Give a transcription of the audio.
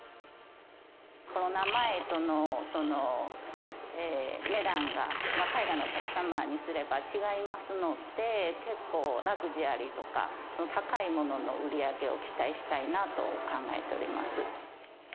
コロナ前との値段が、海外のお客様にすれば違いますので、結構ラグジュアリーとか、高いものの売り上げを期待したいなと考えております。